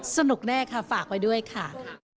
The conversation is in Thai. สนุกแน่ค่ะฝากไว้ด้วยค่ะ